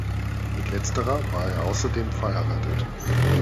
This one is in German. Mit Letzterer war er außerdem verheiratet.